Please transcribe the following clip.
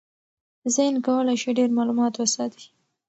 ذهن کولی شي ډېر معلومات وساتي.